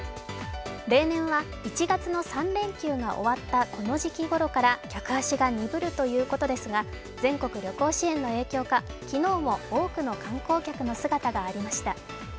例年は１月の３連休が終わったこの時期ごろから客足が鈍るということですが全国旅行支援の影響か昨日も多くの観光客の姿がありました。